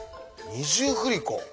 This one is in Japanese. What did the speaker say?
二重振り子。